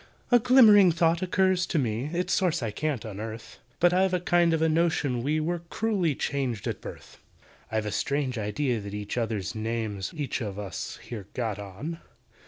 "A glimmering thought occurs to me (Its source I can't unearth), But I've a kind of a notion we Were cruelly changed at birth. "I've a strange idea that each other's names We've each of us here got on.